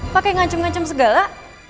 pakai ngancem ngancem segala